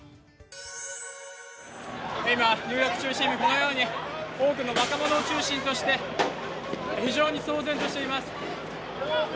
今、ニューヨーク中心部、このように多くの若者を中心として非常に騒然としています。